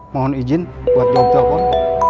mohon izin buat jawab telepon